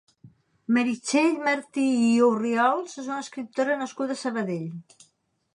Meritxell Martí i Orriols és una escriptora nascuda a Sabadell.